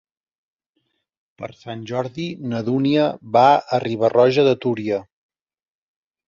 Per Sant Jordi na Dúnia va a Riba-roja de Túria.